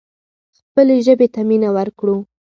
خپلې ژبې ته مینه ورکړو.